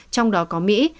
trong đó có mỹ